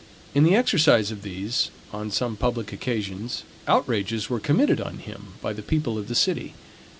In the exercise of these, on some public occasions, outrages were committed on him by the people of the city.